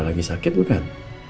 lagi sakit bukan